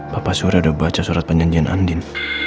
bapak surya udah baca surat penjanjian andin